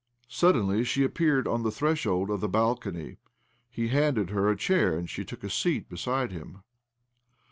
Suddenly she appeared on the threshold of the balcony. He handed her a chair, and she took a seat beside him.